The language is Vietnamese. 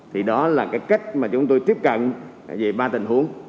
thì đó là cái cách mà chúng tôi tiếp cận về ba tình huống